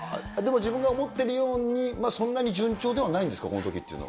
でも、自分が思ってるように、そんなに順調ではないんですか？